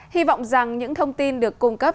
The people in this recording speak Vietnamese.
hy vọng rằng những thông tin được cung cấp